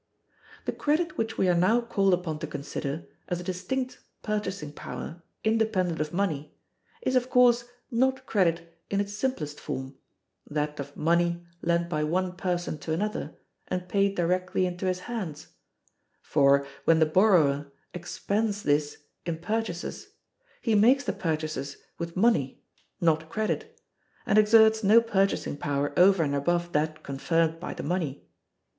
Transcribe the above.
The credit which we are now called upon to consider, as a distinct purchasing power, independent of money, is of course not credit in its simplest form, that of money lent by one person to another, and paid directly into his hands; for, when the borrower expends this in purchases, he makes the purchases with money, not credit, and exerts no purchasing power over and above that conferred by the money.